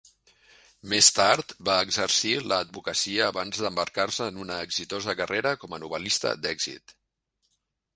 Més tard va exercir l'advocacia abans d'embarcar-se en una exitosa carrera com a novel·lista d'èxit.